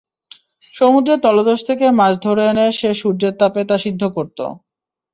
সমুদ্রের তলদেশ থেকে মাছ ধরে এনে সে সূর্যের তাপে তা সিদ্ধ করত।